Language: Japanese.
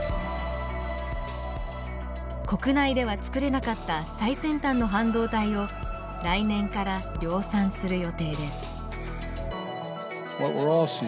国内ではつくれなかった最先端の半導体を来年から量産する予定です。